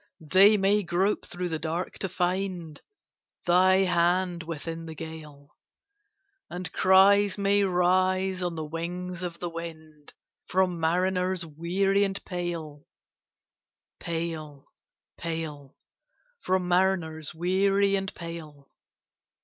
they may grope through the dark to find Thy hand within the gale; And cries may rise on the wings of the wind From mariners weary and pale, pale, pale From mariners weary and pale!